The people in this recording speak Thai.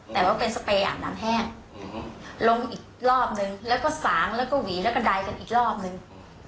แต่ว่าเป็นสเปยอาบน้ำแห้งลงอีกรอบนึงแล้วก็สางแล้วก็หวีแล้วก็ใดกันอีกรอบนึง